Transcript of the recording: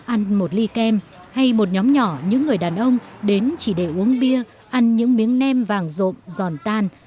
ăn một ly kem hay một nhóm nhỏ những người đàn ông đến chỉ để uống bia ăn những miếng nem vàng rộm giòn tan